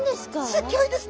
すギョいですね。